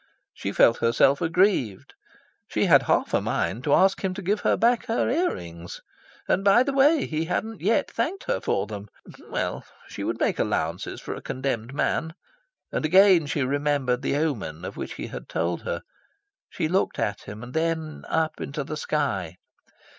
She felt herself aggrieved. She had half a mind to ask him to give her back her ear rings. And by the way, he hadn't yet thanked her for them! Well, she would make allowances for a condemned man. And again she remembered the omen of which he had told her. She looked at him, and then up into the sky.